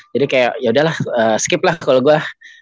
jadi kayak yaudahlah skip lah kalau gue